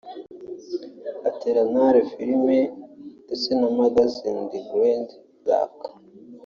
Eternal Films ndetse na Magasin de Grand Lac